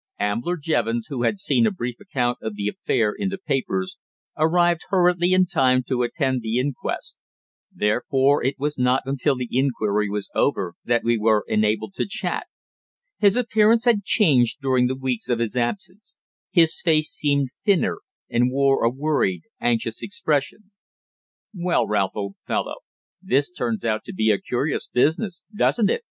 Ambler Jevons, who had seen a brief account of the affair in the papers, arrived hurriedly in time to attend the inquest; therefore it was not until the inquiry was over that we were enabled to chat. His appearance had changed during the weeks of his absence: his face seemed thinner and wore a worried, anxious expression. "Well, Ralph, old fellow, this turns out to be a curious business, doesn't it?"